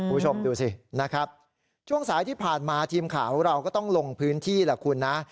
คุณผู้ชมดูสินะครับช่วงสายที่ผ่านมาทีมข่าวของเราก็ต้องลงพื้นที่แหละคุณนะ